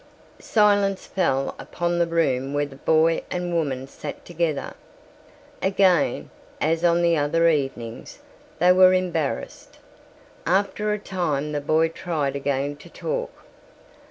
Silence fell upon the room where the boy and woman sat together. Again, as on the other evenings, they were embarrassed. After a time the boy tried again to talk.